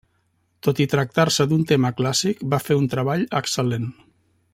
Tot i tractar-se d'un tema clàssic, va fer un treball excel·lent.